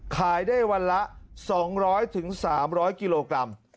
ขายได้วันละ๒๐๐๓๐๐กิโลกรัม